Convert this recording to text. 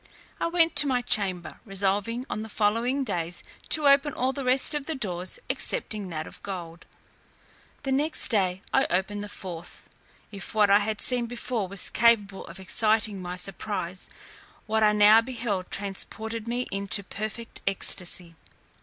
I went to my chamber, resolving on the following days to open all the rest of the doors, excepting that of gold. The next day I opened the fourth door. If what I had seen before was capable of exciting my surprise, what I now beheld transported me into perfect ecstacy.